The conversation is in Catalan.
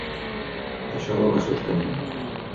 Això la va sostenir.